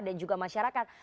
dan juga masyarakat